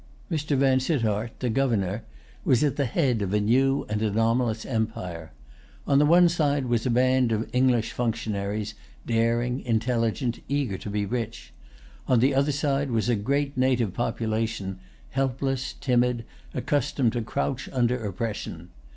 Mr. Vansittart, the Governor, was at the head of a new and anomalous empire. On the one side was a band of English functionaries, daring, intelligent, eager to be rich. On the other side was a great native population, helpless, timid, accustomed to crouch under oppression.